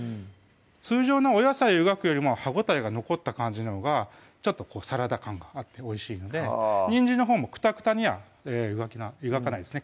通常のお野菜湯がくよりも歯応えが残った感じのほうがちょっとサラダ感があっておいしいのでにんじんのほうもクタクタには湯がかないですね